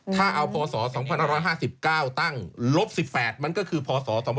ถ้าเอาพศ๒๕๙ตั้งลบ๑๘มันก็คือพศ๒๔๐ถูกต้องไหม